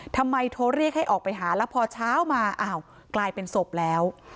ทำไมโทรเรียกให้ออกไปหาแล้วพอเช้ามาอ้าวกลายเป็นศพแล้ว